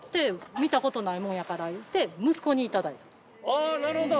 ああなるほど！